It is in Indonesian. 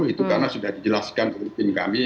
itu karena sudah dijelaskan oleh tim kami